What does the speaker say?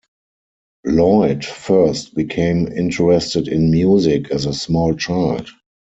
Lloyd first became interested in music as a small child.